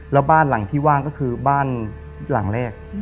แล้วบ้านหลังที่ว่างก็คือบ้านหลังแรก